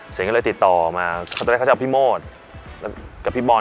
เสียงก็เลยติดต่อมาเขาตั้งแต่เขาจะเอาพี่โมสกับพี่บอล